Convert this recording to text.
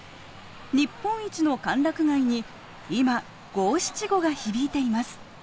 日本一の歓楽街に今五七五が響いています。